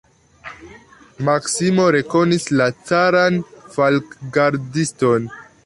Maksimo rekonis la caran falkgardiston.